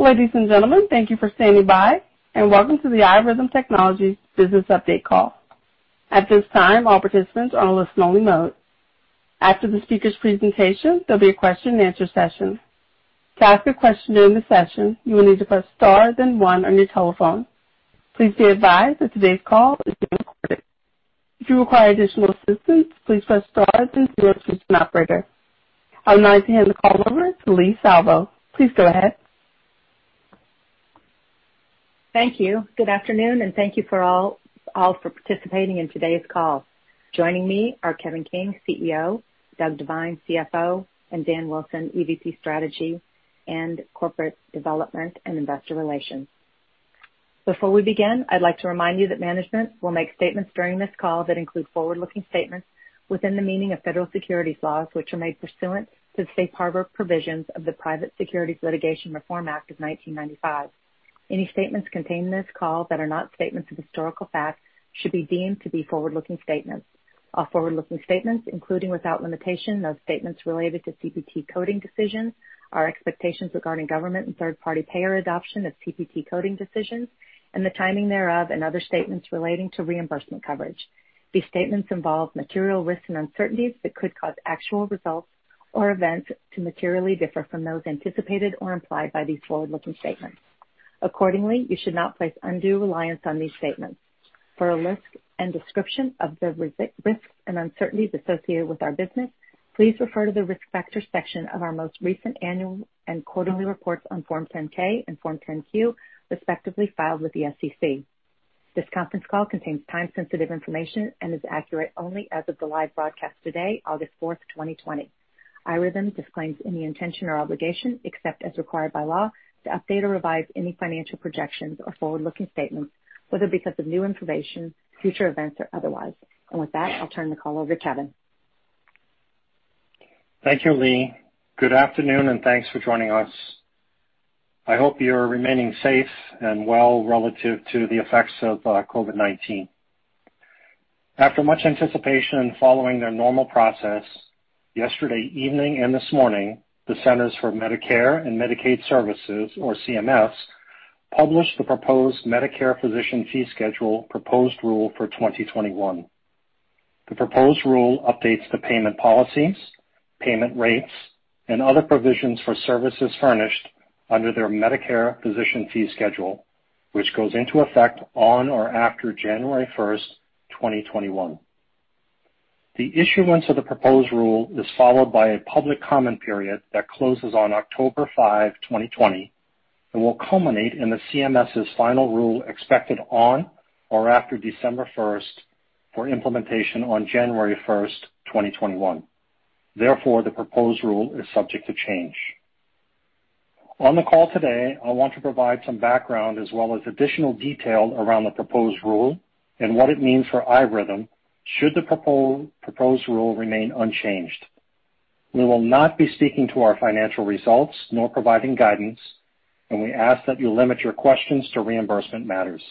Ladies and gentlemen, thank you for standing by and welcome to the iRhythm Technologies Business update call. At this time, all participants are on a listen only mode. After the speakers' presentation, there'll be a question and answer session. To ask a question during the session, you will need to press star then one on your telephone. Please be advised that today's call is being recorded. If you require additional assistance, please press star then zero to speak to an operator. I would now like to hand the call over to Leigh Salvo. Please go ahead. Thank you. Good afternoon and thank you all for participating in today's call. Joining me are Kevin King, CEO, Doug Devine, CFO, and Dan Wilson, EVP Strategy and Corporate Development and Investor Relations. Before we begin, I'd like to remind you that management will make statements during this call that include forward-looking statements within the meaning of federal securities laws, which are made pursuant to the Safe Harbor provisions of the Private Securities Litigation Reform Act of 1995. Any statements contained in this call that are not statements of historical fact should be deemed to be forward-looking statements. All forward-looking statements, including without limitation, those statements related to CPT coding decisions, our expectations regarding government and third-party payer adoption of CPT coding decisions and the timing thereof, and other statements relating to reimbursement coverage. These statements involve material risks and uncertainties that could cause actual results or events to materially differ from those anticipated or implied by these forward-looking statements. Accordingly, you should not place undue reliance on these statements. For a list and description of the risks and uncertainties associated with our business, please refer to the Risk Factors section of our most recent annual and quarterly reports on Form 10-K and Form 10-Q, respectively, filed with the SEC. This conference call contains time-sensitive information and is accurate only as of the live broadcast today, August 4th, 2020. iRhythm disclaims any intention or obligation, except as required by law, to update or revise any financial projections or forward-looking statements, whether because of new information, future events, or otherwise. With that, I'll turn the call over to Kevin. Thank you, Leigh. Good afternoon and thanks for joining us. I hope you're remaining safe and well relative to the effects of COVID-19. After much anticipation and following their normal process, yesterday evening and this morning, the Centers for Medicare & Medicaid Services, or CMS, published the proposed Medicare physician fee schedule proposed rule for 2021. The proposed rule updates the payment policies, payment rates, and other provisions for services furnished under their Medicare physician fee schedule, which goes into effect on or after January 1st, 2021. The issuance of the proposed rule is followed by a public comment period that closes on October 5, 2020, and will culminate in the CMS's final rule expected on or after December 1st for implementation on January 1st, 2021. Therefore, the proposed rule is subject to change. On the call today, I want to provide some background as well as additional detail around the proposed rule and what it means for iRhythm should the proposed rule remain unchanged. We will not be speaking to our financial results nor providing guidance, and we ask that you limit your questions to reimbursement matters.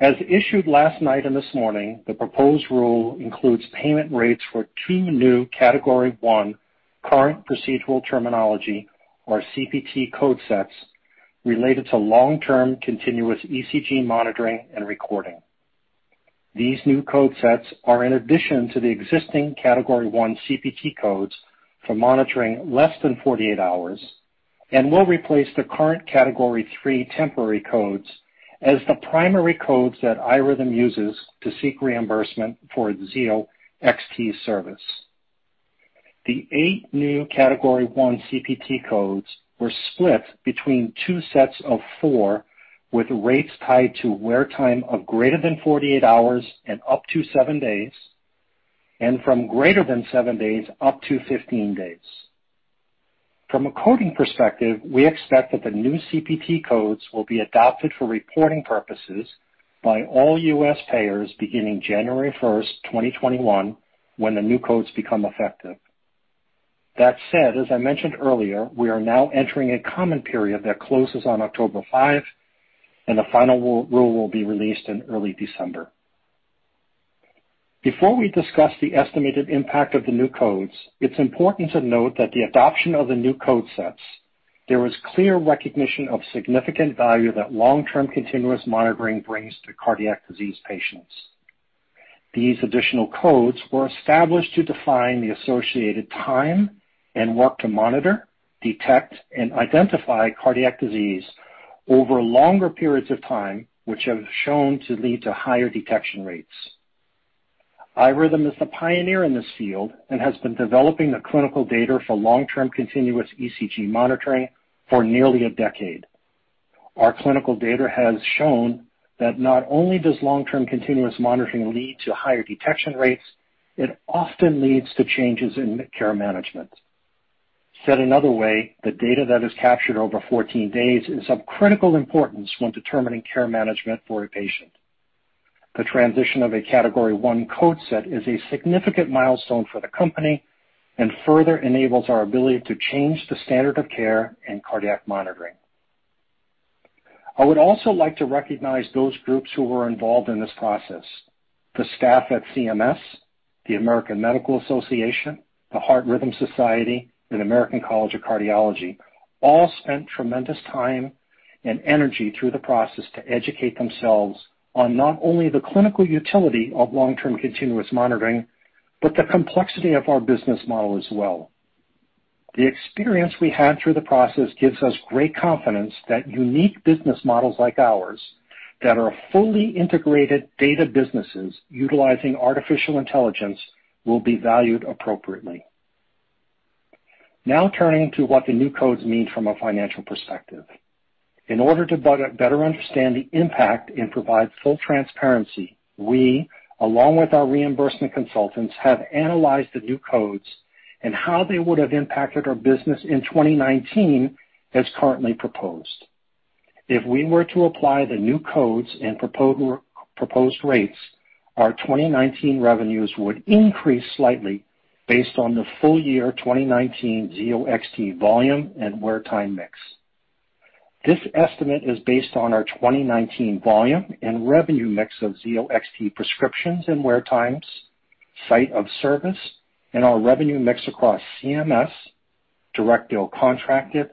As issued last night and this morning, the proposed rule includes payment rates for two new Category I Current Procedural Terminology, or CPT code sets, related to long-term continuous ECG monitoring and recording. These new code sets are in addition to the existing Category I CPT codes for monitoring less than 48 hours and will replace the current Category III temporary codes as the primary codes that iRhythm uses to seek reimbursement for its Zio XT service. The eight new Category I CPT codes were split between two sets of four, with rates tied to wear time of greater than 48 hours and up to seven days, and from greater than seven days up to 15 days. From a coding perspective, we expect that the new CPT codes will be adopted for reporting purposes by all U.S. payers beginning January 1st, 2021, when the new codes become effective. That said, as I mentioned earlier, we are now entering a comment period that closes on October 5, and the final rule will be released in early December. Before we discuss the estimated impact of the new codes, it's important to note that the adoption of the new code sets, there was clear recognition of significant value that long-term continuous monitoring brings to cardiac disease patients. These additional codes were established to define the associated time and work to monitor, detect, and identify cardiac disease over longer periods of time, which have shown to lead to higher detection rates. iRhythm is the pioneer in this field and has been developing the clinical data for long-term continuous ECG monitoring for nearly a decade. Our clinical data has shown that not only does long-term continuous monitoring lead to higher detection rates, it often leads to changes in care management. Said another way, the data that is captured over 14 days is of critical importance when determining care management for a patient. The transition of a Category I code set is a significant milestone for the company and further enables our ability to change the standard of care in cardiac monitoring. I would also like to recognize those groups who were involved in this process. The staff at CMS, the American Medical Association, the Heart Rhythm Society, and American College of Cardiology all spent tremendous time and energy through the process to educate themselves on not only the clinical utility of long-term continuous monitoring, but the complexity of our business model as well. The experience we had through the process gives us great confidence that unique business models like ours, that are fully integrated data businesses utilizing artificial intelligence, will be valued appropriately. Turning to what the new codes mean from a financial perspective. In order to better understand the impact and provide full transparency, we, along with our reimbursement consultants, have analyzed the new codes and how they would have impacted our business in 2019 as currently proposed. If we were to apply the new codes and proposed rates, our 2019 revenues would increase slightly based on the full year 2019 Zio XT volume and wear time mix. This estimate is based on our 2019 volume and revenue mix of Zio XT prescriptions and wear times, site of service, and our revenue mix across CMS, direct bill contracted,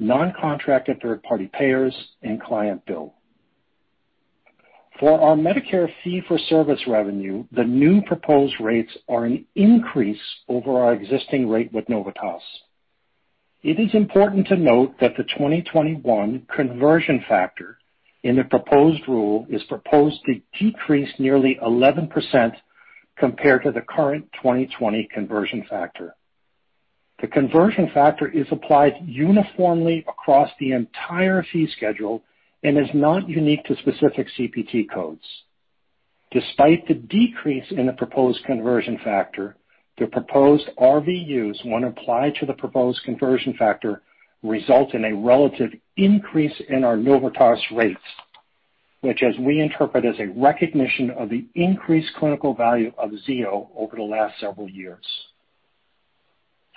non-contracted third-party payers, and client bill. For our Medicare fee-for-service revenue, the new proposed rates are an increase over our existing rate with Novitas. It is important to note that the 2021 conversion factor in the proposed rule is proposed to decrease nearly 11% compared to the current 2020 conversion factor. The conversion factor is applied uniformly across the entire fee schedule and is not unique to specific CPT codes. Despite the decrease in the proposed conversion factor, the proposed RVUs, when applied to the proposed conversion factor, result in a relative increase in our Novitas rates, which as we interpret as a recognition of the increased clinical value of Zio over the last several years.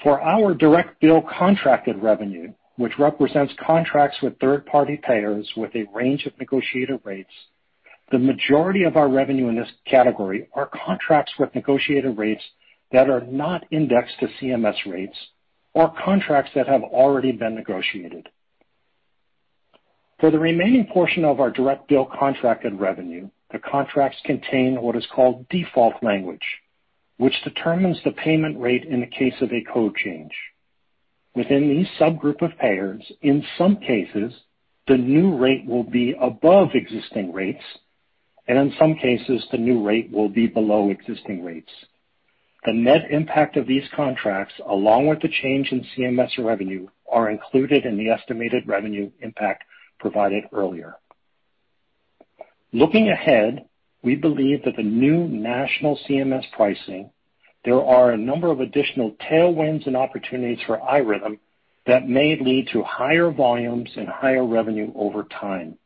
For our direct bill contracted revenue, which represents contracts with third-party payers with a range of negotiated rates, the majority of our revenue in this category are contracts with negotiated rates that are not indexed to CMS rates or contracts that have already been negotiated. For the remaining portion of our direct bill contracted revenue, the contracts contain what is called default language, which determines the payment rate in the case of a code change. Within these subgroup of payers, in some cases, the new rate will be above existing rates, and in some cases, the new rate will be below existing rates. The net impact of these contracts, along with the change in CMS revenue, are included in the estimated revenue impact provided earlier. Looking ahead, we believe that the new national CMS pricing, there are a number of additional tailwinds and opportunities for iRhythm that may lead to higher volumes and higher revenue over time.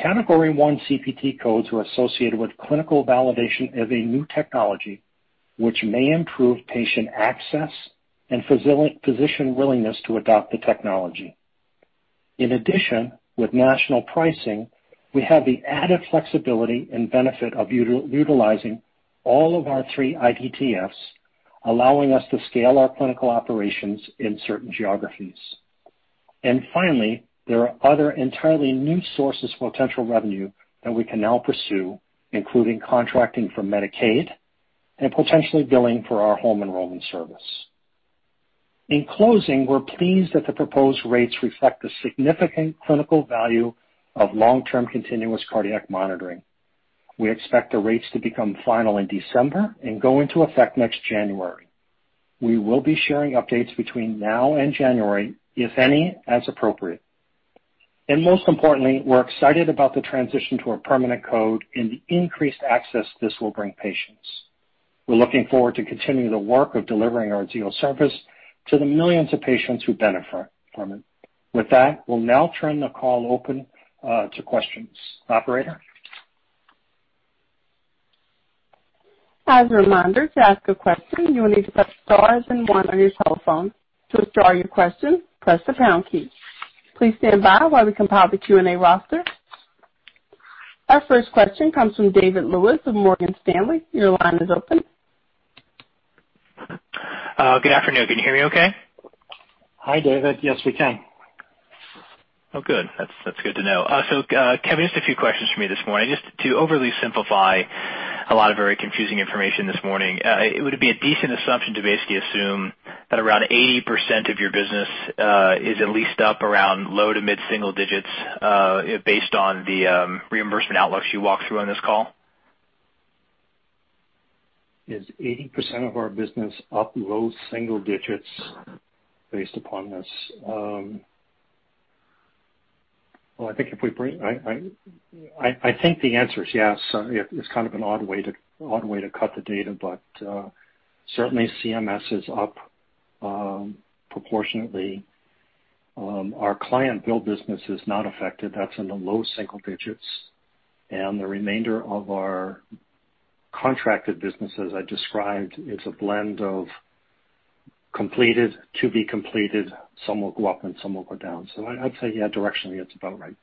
Category I CPT codes were associated with clinical validation of a new technology which may improve patient access and physician willingness to adopt the technology. In addition, with national pricing, we have the added flexibility and benefit of utilizing all of our three IDTFs, allowing us to scale our clinical operations in certain geographies. Finally, there are other entirely new sources of potential revenue that we can now pursue, including contracting for Medicaid and potentially billing for our home enrollment service. In closing, we're pleased that the proposed rates reflect the significant clinical value of long-term continuous cardiac monitoring. We expect the rates to become final in December and go into effect next January. We will be sharing updates between now and January, if any, as appropriate. Most importantly, we're excited about the transition to a permanent code and the increased access this will bring patients. We're looking forward to continuing the work of delivering our Zio service to the millions of patients who benefit from it. With that, we'll now turn the call open to questions. Operator? As a reminder, to ask a question, you will need to press star then one on your telephone. To withdraw your question, press the pound key. Please stand by while we compile the Q&A roster. Our first question comes from David Lewis of Morgan Stanley. Your line is open. Good afternoon. Can you hear me okay? Hi, David. Yes, we can. Oh, good. That's good to know. Kevin, just a few questions for me this morning. Just to overly simplify a lot of very confusing information this morning, would it be a decent assumption to basically assume that around 80% of your business is at least up around low to mid-single digits based on the reimbursement outlooks you walked through on this call? Is 80% of our business up low single digits based upon this? I think the answer is yes. It's kind of an odd way to cut the data, but certainly CMS is up proportionately. Our client bill business is not affected. That's in the low single digits, and the remainder of our contracted business, as I described, is a blend of completed, to be completed, some will go up and some will go down. I'd say, yeah, directionally, it's about right.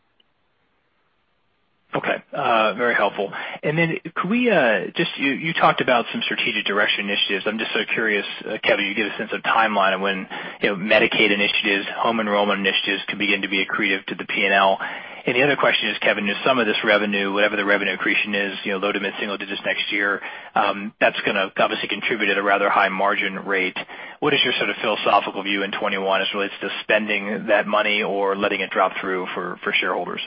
Okay. Very helpful. Then could we You talked about some strategic direction initiatives. I'm just so curious, Kevin, you get a sense of timeline of when Medicaid initiatives, home enrollment initiatives could begin to be accretive to the P&L. The other question is, Kevin, is some of this revenue, whatever the revenue accretion is, low to mid single digits next year, that's going to obviously contribute at a rather high margin rate. What is your sort of philosophical view in 2021 as it relates to spending that money or letting it drop through for shareholders?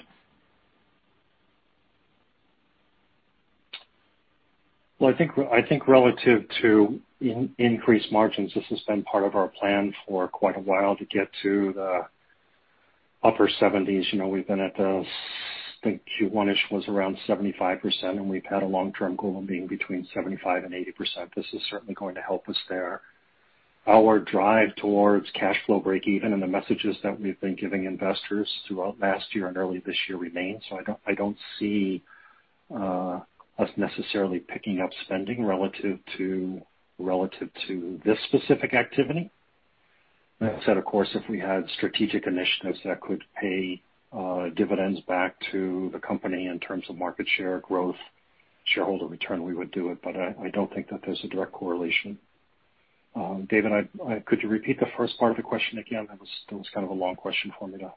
I think relative to increased margins, this has been part of our plan for quite a while to get to the upper 70s. We've been at the, I think Q1-ish was around 75%, and we've had a long-term goal of being between 75% and 80%. This is certainly going to help us there. Our drive towards cash flow breakeven and the messages that we've been giving investors throughout last year and early this year remain. I don't see us necessarily picking up spending relative to this specific activity. That said, of course, if we had strategic initiatives that could pay dividends back to the company in terms of market share growth, shareholder return, we would do it. I don't think that there's a direct correlation. David, could you repeat the first part of the question again? That was kind of a long question for me to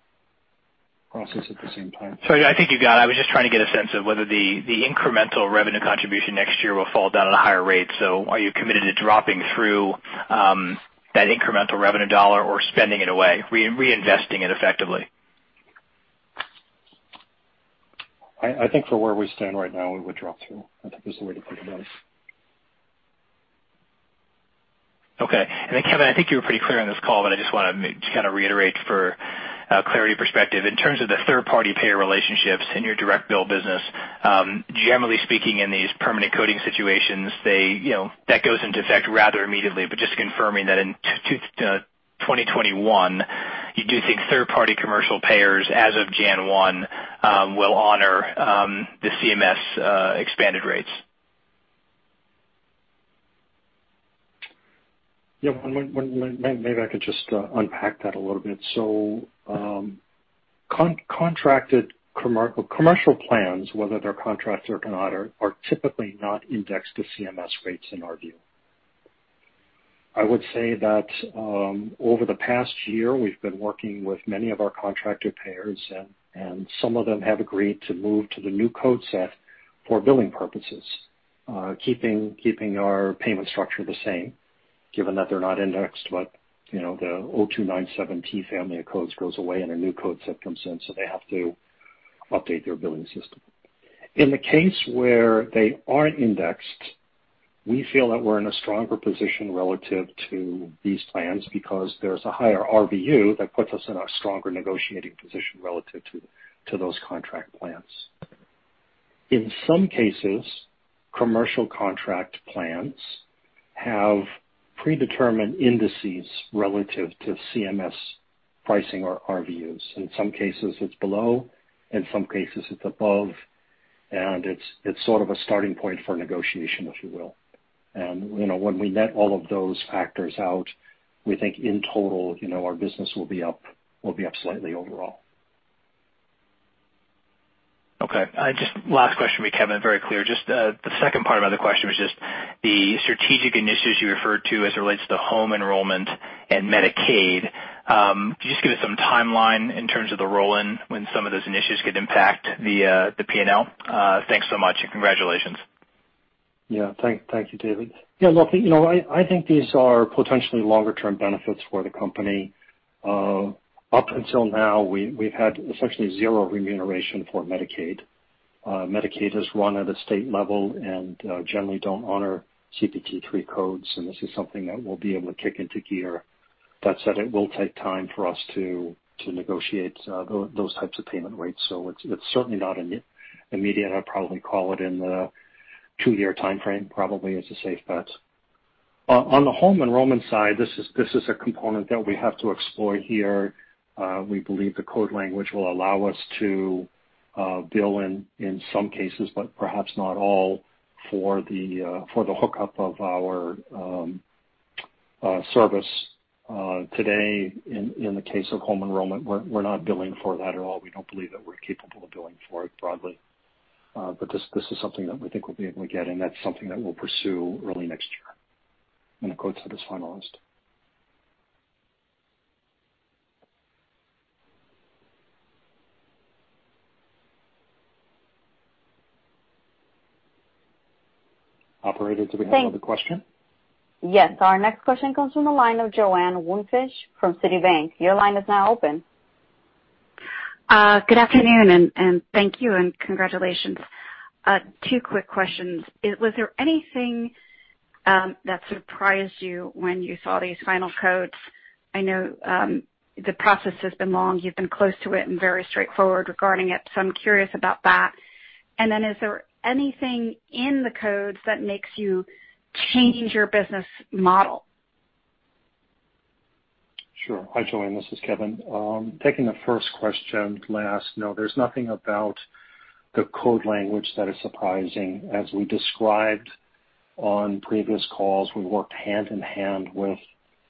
process at the same time. Sorry, I think you got it. I was just trying to get a sense of whether the incremental revenue contribution next year will fall down at a higher rate. Are you committed to dropping through that incremental revenue dollar or spending it away, reinvesting it effectively? I think for where we stand right now, we would drop through. I think that's the way to put it, yes. Okay. Kevin, I think you were pretty clear on this call, but I just want to just kind of reiterate for clarity perspective. In terms of the third-party payer relationships in your direct bill business, generally speaking, in these permanent coding situations, that goes into effect rather immediately, but just confirming that in 2021, you do think third-party commercial payers as of January 1 will honor the CMS expanded rates. Yeah. Maybe I could just unpack that a little bit. Contracted commercial plans, whether they're contracted or not, are typically not indexed to CMS rates in our view. I would say that, over the past year, we've been working with many of our contracted payers, and some of them have agreed to move to the new code set for billing purposes, keeping our payment structure the same, given that they're not indexed. The 0297T family of codes goes away and a new code set comes in, so they have to update their billing system. In the case where they aren't indexed, we feel that we're in a stronger position relative to these plans because there's a higher RVU that puts us in a stronger negotiating position relative to those contract plans. In some cases, commercial contract plans have predetermined indices relative to CMS pricing or RVUs. In some cases, it's below, in some cases, it's above, and it's sort of a starting point for negotiation, if you will. When we net all of those factors out, we think in total, our business will be up slightly overall. Just last question would be, Kevin, very clear. Just the second part of my other question was just the strategic initiatives you referred to as it relates to home enrollment and Medicaid. Could you just give us some timeline in terms of the roll-in when some of those initiatives could impact the P&L? Thanks so much, and congratulations. Yeah. Thank you, David. Yeah, look, I think these are potentially longer term benefits for the company. Up until now, we've had essentially zero remuneration for Medicaid. Medicaid has run at a state level and generally don't honor CPT III codes. This is something that we'll be able to kick into gear. That said, it will take time for us to negotiate those types of payment rates. It's certainly not immediate. I'd probably call it in the two-year timeframe, probably is a safe bet. On the home enrollment side, this is a component that we have to explore here. We believe the code language will allow us to bill in some cases, but perhaps not all for the hookup of our service. Today, in the case of home enrollment, we're not billing for that at all. We don't believe that we're capable of billing for it broadly. This is something that we think we'll be able to get, and that's something that we'll pursue early next year when the code set is finalized. Operator, do we have another question? Yes. Our next question comes from the line of Joanne Wuensch from Citibank. Your line is now open. Good afternoon, and thank you, and congratulations. Two quick questions. Was there anything that surprised you when you saw these final codes? I know the process has been long. You've been close to it and very straightforward regarding it, so I'm curious about that. Is there anything in the codes that makes you change your business model? Sure. Hi, Joanne, this is Kevin. Taking the first question last. No, there's nothing about the code language that is surprising. As we described on previous calls, we worked hand in hand with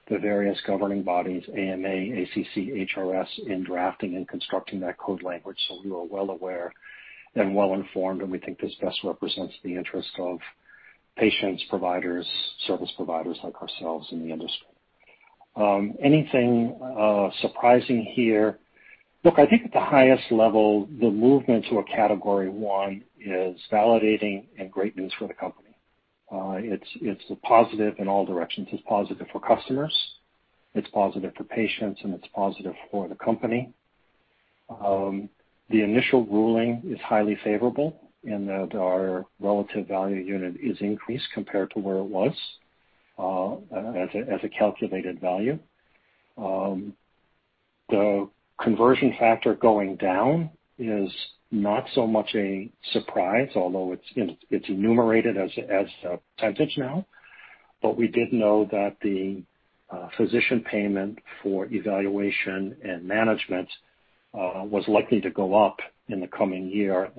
the various governing bodies, AMA, ACC, HRS, in drafting and constructing that code language. We were well aware and well-informed, and we think this best represents the interest of patients, providers, service providers like ourselves in the industry. Anything surprising here? Look, I think at the highest level, the movement to a Category One is validating and great news for the company. It's a positive in all directions. It's positive for customers, it's positive for patients, and it's positive for the company. The initial ruling is highly favorable in that our Relative Value Unit is increased compared to where it was, as a calculated value. The conversion factor going down is not so much a surprise, although it's enumerated as a percentage now. We did know that the physician payment for evaluation and management was likely to go up in the coming year.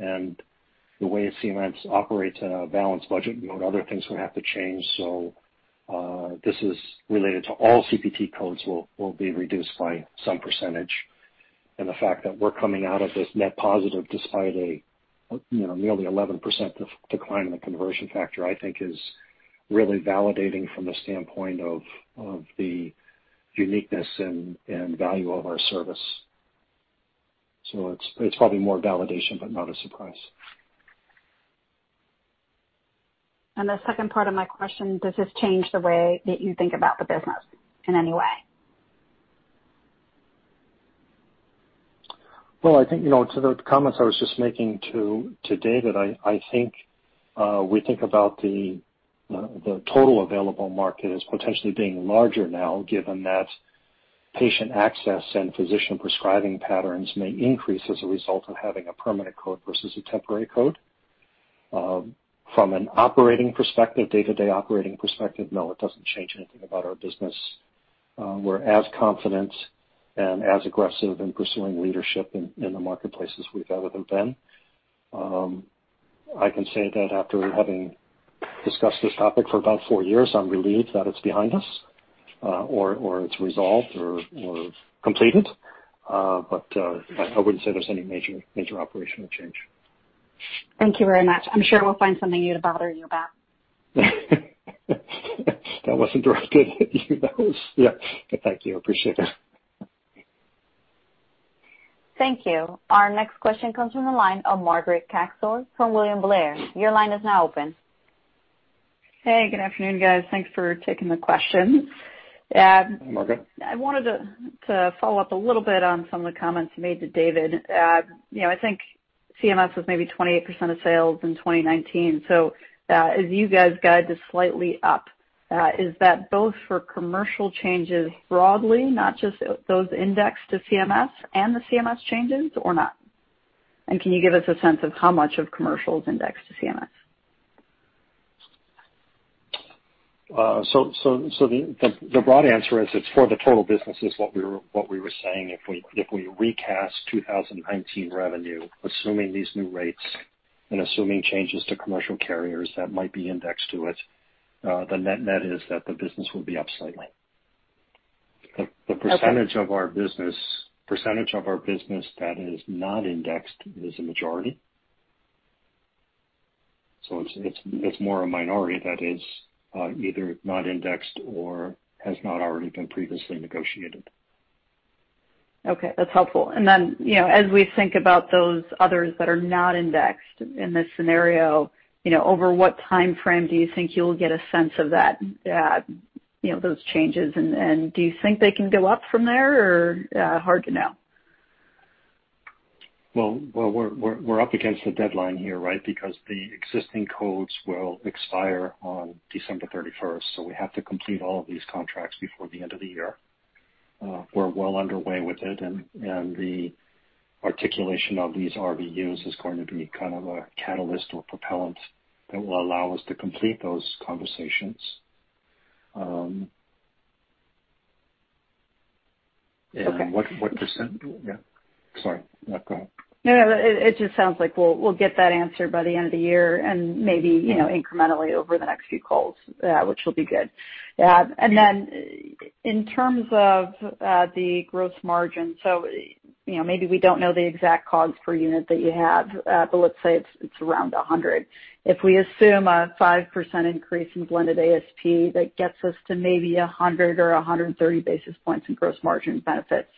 The way CMS operates in a balanced budget mode, other things would have to change. This is related to all CPT codes will be reduced by some percentage. The fact that we're coming out of this net positive despite a nearly 11% decline in the conversion factor, I think, is really validating from the standpoint of the uniqueness and value of our service. It's probably more validation, but not a surprise. The second part of my question, does this change the way that you think about the business in any way? Well, I think, to the comments I was just making to David, I think we think about the total available market as potentially being larger now, given that patient access and physician prescribing patterns may increase as a result of having a permanent code versus a temporary code. From an operating perspective, day-to-day operating perspective, no, it doesn't change anything about our business. We're as confident and as aggressive in pursuing leadership in the marketplace as we've ever been. I can say that after having discussed this topic for about four years, I'm relieved that it's behind us, or it's resolved or completed. I wouldn't say there's any major operational change. Thank you very much. I'm sure we'll find something new to bother you about. That wasn't directed at you, though. Yeah. Thank you. Appreciate that. Thank you. Our next question comes from the line of Margaret Kaczor from William Blair. Your line is now open. Hey, good afternoon, guys. Thanks for taking the questions. Hi, Margaret. I wanted to follow up a little bit on some of the comments you made to David. I think CMS was maybe 28% of sales in 2019. As you guys guide to slightly up, is that both for commercial changes broadly, not just those indexed to CMS and the CMS changes or not? Can you give us a sense of how much of commercial is indexed to CMS? The broad answer is it's for the total business is what we were saying. If we recast 2019 revenue, assuming these new rates and assuming changes to commercial carriers that might be indexed to it, the net is that the business will be up slightly. Okay. The percentage of our business that is not indexed is a majority. It's more a minority that is either not indexed or has not already been previously negotiated. Okay. That's helpful. As we think about those others that are not indexed in this scenario, over what timeframe do you think you'll get a sense of those changes, and do you think they can go up from there or hard to know? Well, we're up against a deadline here, right? Because the existing codes will expire on December 31st. We have to complete all of these contracts before the end of the year. We're well underway with it, the articulation of these RVUs is going to be kind of a catalyst or propellant that will allow us to complete those conversations. Yeah. Sorry. No, go ahead. No, it just sounds like we'll get that answer by the end of the year and maybe incrementally over the next few calls, which will be good. In terms of the gross margin, maybe we don't know the exact cost per unit that you have, but let's say it's around $100. If we assume a 5% increase in blended ASP, that gets us to maybe 100 or 130 basis points in gross margin benefits.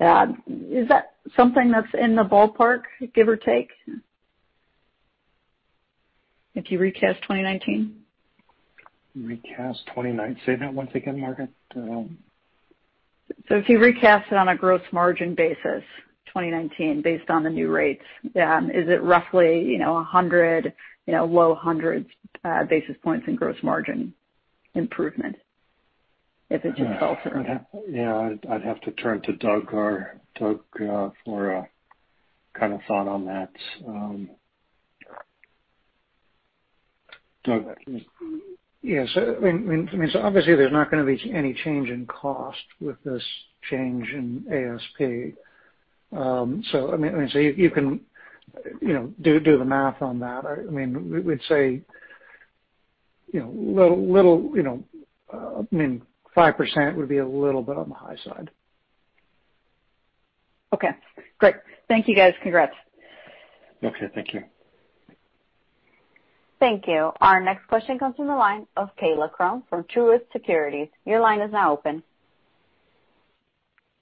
Is that something that's in the ballpark, give or take? If you recast 2019. Recast 2019. Say that once again, Margaret. If you recast it on a gross margin basis, 2019, based on the new rates, is it roughly 100, low hundreds basis points in gross margin improvement? If it's helpful. Yeah, I'd have to turn to Doug for a thought on that. Yes. obviously there's not going to be any change in cost with this change in ASP. you can do the math on that. We'd say 5% would be a little bit on the high side. Okay, great. Thank you, guys. Congrats. Okay, thank you. Thank you. Our next question comes from the line of Kaila Krum from Truist Securities. Your line is now open.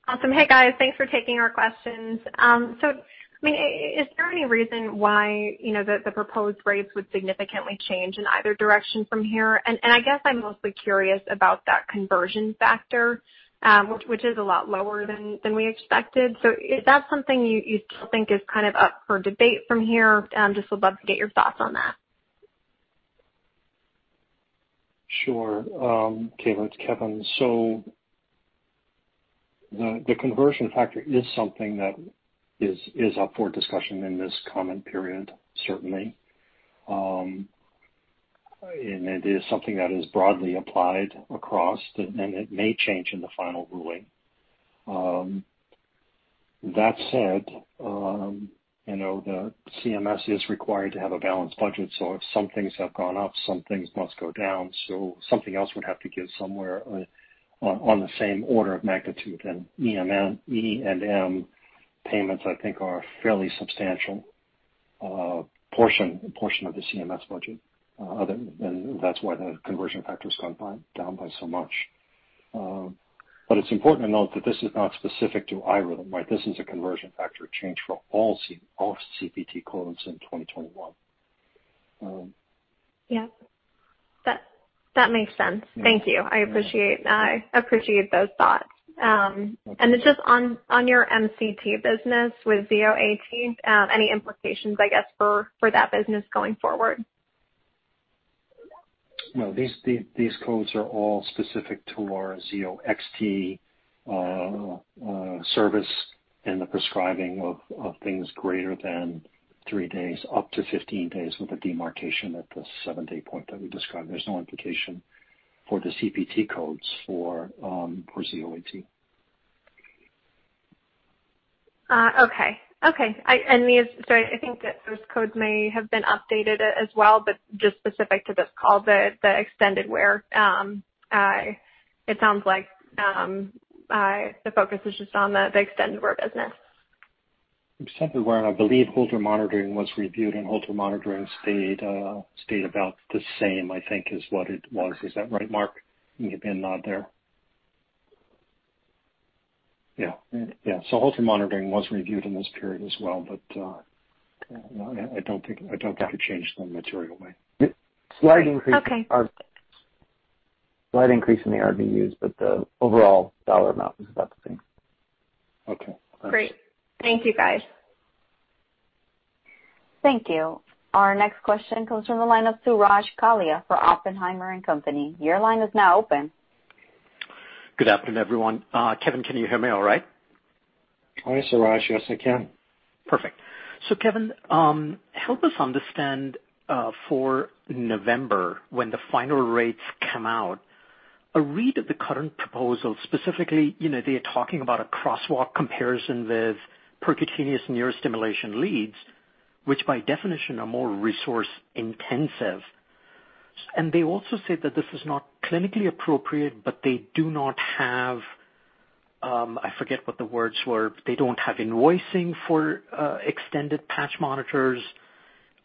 Awesome. Hey guys, thanks for taking our questions. Is there any reason why the proposed rates would significantly change in either direction from here? I guess I'm mostly curious about that conversion factor, which is a lot lower than we expected. Is that something you still think is up for debate from here? Just would love to get your thoughts on that. Sure. Kaila, it's Kevin. The conversion factor is something that is up for discussion in this comment period, certainly. It is something that is broadly applied across, and it may change in the final ruling. That said, the CMS is required to have a balanced budget, so if some things have gone up, some things must go down. Something else would have to give somewhere on the same order of magnitude. E&M payments, I think, are a fairly substantial portion of the CMS budget. That's why the conversion factor's gone down by so much. It's important to note that this is not specific to iRhythm, right? This is a conversion factor change for all CPT codes in 2021. Yeah. That makes sense. Thank you. I appreciate those thoughts. Just on your MCT business with Zio AT, any implications, I guess, for that business going forward? No, these codes are all specific to our Zio XT service and the prescribing of things greater than three days up to 15 days with a demarcation at the seven-day point that we described. There's no implication for the CPT codes for Zio AT. Okay. I think that those codes may have been updated as well, but just specific to this call, the extended wear, it sounds like the focus is just on the extended wear business. Extended wear, and I believe Holter monitoring was reviewed, and Holter monitoring stayed about the same, I think is what it was. Is that right, Mark? You can nod there. Yeah. Holter monitoring was reviewed in this period as well, but I don't think it changed in a material way. Slight increase. Okay. Slight increase in the RVUs, but the overall dollar amount was about the same. Okay. Great. Thank you, guys. Thank you. Our next question comes from the line of Suraj Kalia for Oppenheimer & Co. Your line is now open. Good afternoon, everyone. Kevin, can you hear me all right? Hi, Suraj. Yes, I can. Perfect. Kevin, help us understand for November, when the final rates come out, a read of the current proposal, specifically, they are talking about a crosswalk comparison with percutaneous neurostimulation leads, which by definition are more resource intensive. They also say that this is not clinically appropriate, they do not have, I forget what the words were, they don't have invoicing for extended patch monitors.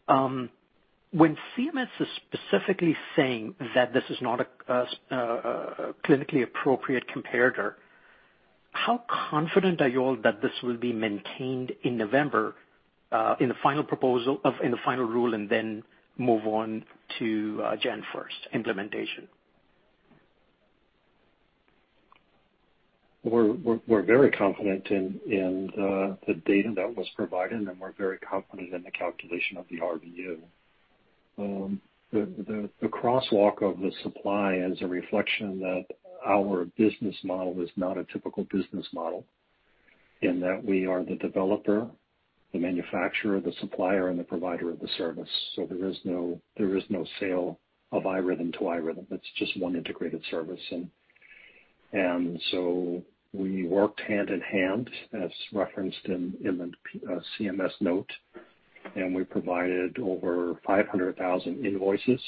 When CMS is specifically saying that this is not a clinically appropriate comparator, how confident are you all that this will be maintained in November in the final rule and then move on to January 1st implementation? We're very confident in the data that was provided. We're very confident in the calculation of the RVU. The crosswalk of the supply is a reflection that our business model is not a typical business model in that we are the developer, the manufacturer, the supplier, and the provider of the service. There is no sale of iRhythm to iRhythm. It's just one integrated service. We worked hand in hand as referenced in the CMS note. We provided over 500,000 invoices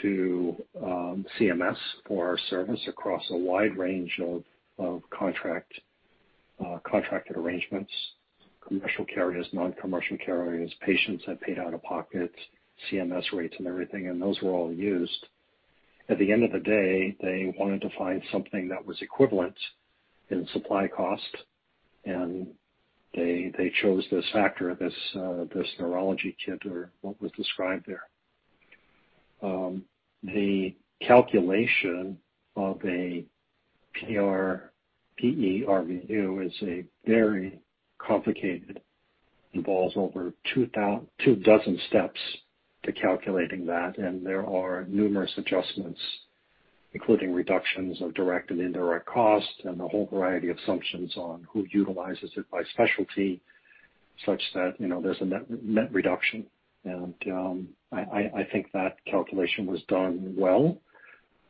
to CMS for our service across a wide range of contracted arrangements, commercial carriers, non-commercial carriers, patients that paid out of pocket, CMS rates, and everything. Those were all used. At the end of the day, they wanted to find something that was equivalent in supply cost. They chose this factor, this neurology kit, or what was described there. The calculation of a PE RVU is very complicated. Involves over two dozen steps to calculating that, and there are numerous adjustments, including reductions of direct and indirect costs and a whole variety of assumptions on who utilizes it by specialty such that there's a net reduction. I think that calculation was done well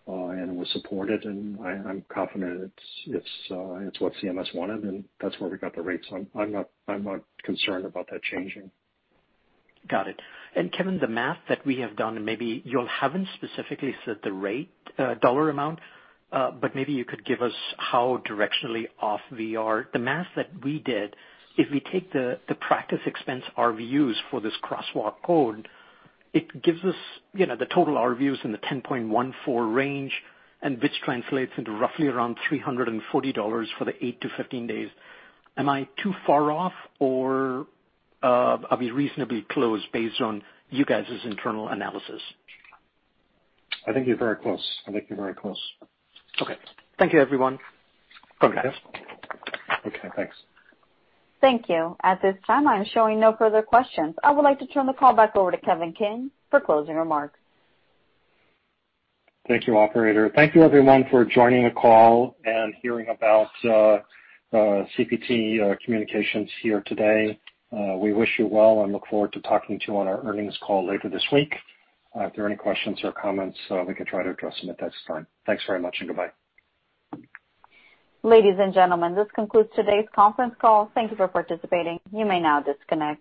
and was supported, and I'm confident it's what CMS wanted, and that's where we got the rates. I'm not concerned about that changing. Got it. Kevin, the math that we have done, and maybe you all haven't specifically set the rate dollar amount, but maybe you could give us how directionally off we are. The math that we did, if we take the practice expense RVUs for this crosswalk code, it gives us the total RVUs in the 10.14 range, and which translates into roughly around $340 for the 8-15 days. Am I too far off, or are we reasonably close based on your guys' internal analysis? I think you're very close. I think you're very close. Okay. Thank you, everyone. Okay. Thanks. Thank you. At this time, I'm showing no further questions. I would like to turn the call back over to Kevin King for closing remarks. Thank you, operator. Thank you everyone for joining the call and hearing about CPT Communications here today. We wish you well and look forward to talking to you on our earnings call later this week. If there are any questions or comments, we can try to address them at that time. Thanks very much and goodbye. Ladies and gentlemen, this concludes today's conference call. Thank you for participating. You may now disconnect.